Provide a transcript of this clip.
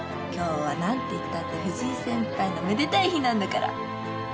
今日は何ていったって藤井先輩のめでたい日なんだから。